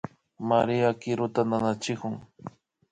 María kiruta nanachikun